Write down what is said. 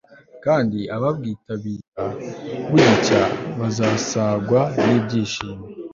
kandi ababwitabira bugicya, bazasagwa n'ibyishimo